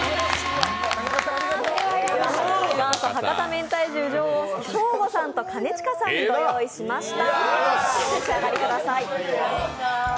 元祖博多めんたい重・上をショーゴさんと兼近さんにご用意しました。